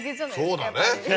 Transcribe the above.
そうだね。